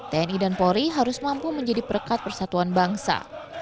tni dan polri harus mampu menjadi perekat persatuan bangsa